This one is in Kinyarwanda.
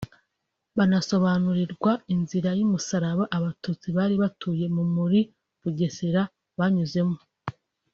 banasobanurirwa inzira y’umusaraba Abatutsi bari batuye mu muri Bugesera banyuzemo